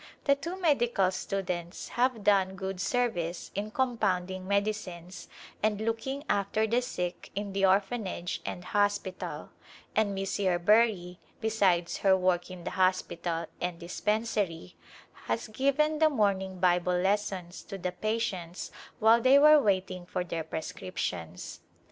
The two medical students have done good service in compounding medicines and looking after the sick in the Orphanage and hospital, and Miss Yerbury, besides her work in the hospital and dispensary, has given the morning Bible lessons to the patients while they were waiting for their pre scriptions.